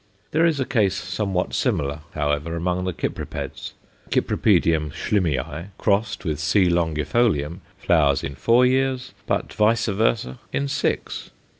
There is a case somewhat similar, however, among the Cypripeds. C. Schlimii crossed with C. longifolium flowers in four years, but vice versâ in six.